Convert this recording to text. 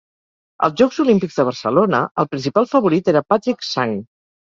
Als Jocs Olímpics de Barcelona, el principal favorit era Patrick Sang.